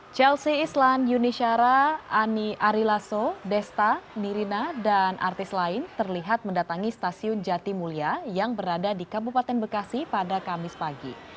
chelsea islan yuni syara ani arilaso desta nirina dan artis lain terlihat mendatangi stasiun jatimulia yang berada di kabupaten bekasi pada kamis pagi